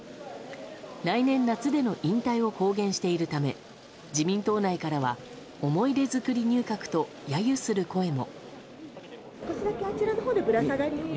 来年夏での引退を公言しているため自民党内からは思い出作り入閣と揶揄する声も。